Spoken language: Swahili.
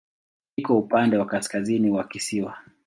Iko upande wa kaskazini wa kisiwa.